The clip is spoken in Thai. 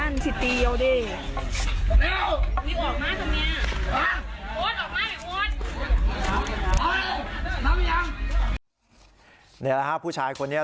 นี่แหละครับผู้ชายคนนี้